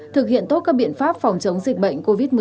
thực hiện tốt các biện pháp phòng chống dịch bệnh covid một mươi chín